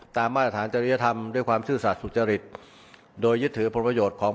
มาตรฐานจริยธรรมด้วยความซื่อสัตว์สุจริตโดยยึดถือผลประโยชน์ของ